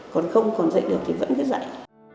còn không còn dạy được thì vẫn cứ dạy